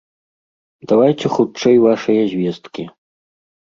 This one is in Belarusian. Давайце хутчэй вашыя звесткі.